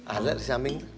ada di samping